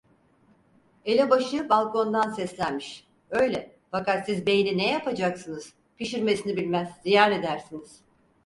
Elebaşı balkondan seslenmiş: "Öyle… Fakat siz beyni ne yapacaksınız? Pişirmesini bilmez, ziyan edersiniz!"